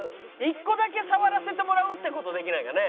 １個だけ触らせてもらうって事できないかね？